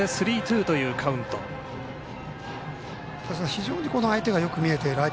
非常に相手のバッターがよく見えている。